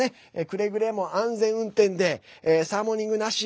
くれぐれも安全運転でサーモニングなし